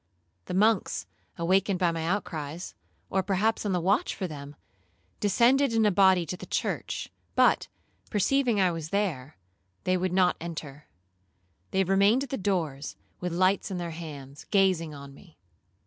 The monks, awakened by my outcries, or perhaps on the watch for them, descended in a body to the church, but, perceiving I was there, they would not enter,—they remained at the doors, with lights in their hands, gazing on me.